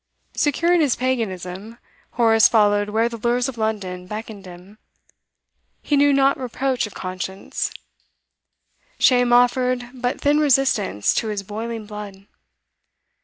Secure in his paganism, Horace followed where the lures of London beckoned him; he knew not reproach of conscience; shame offered but thin resistance to his boiling blood.